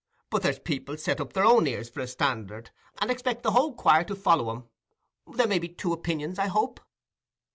But there's people set up their own ears for a standard, and expect the whole choir to follow 'em. There may be two opinions, I hope."